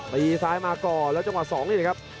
ตีซ้ายมาก่อนแล้วจังหวะ๒นี่นะครับ